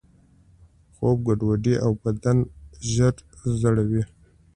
خوب ګډوډوي او بدن ژر زړوي.